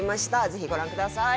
ぜひご覧ください。